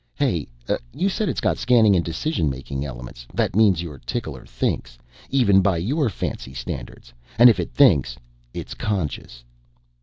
"Hey, you said it's got scanning and decision making elements. That means your tickler thinks, even by your fancy standards. And if it thinks, it's conscious."